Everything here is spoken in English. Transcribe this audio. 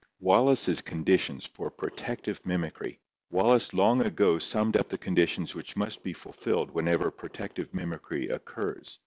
Wallace's Conditions for Protective Mimicry. — Wallace long ago summed up the conditions which must be fulfilled whenever protective mimicry occurs.